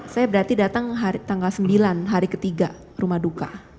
saya berarti datang tanggal sembilan hari ketiga rumah duka